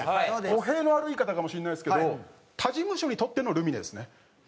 語弊のある言い方かもしれないですけど他事務所にとってのルミネですね。